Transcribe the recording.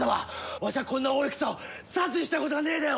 わしゃこんな大戦を指図したことがねえでよ！